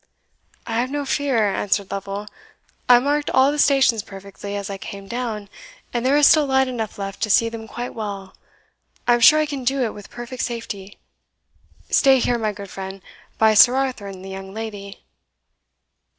"I have no fear," answered Lovel; "I marked all the stations perfectly as I came down, and there is still light enough left to see them quite well I am sure I can do it with perfect safety. Stay here, my good friend, by Sir Arthur and the young lady."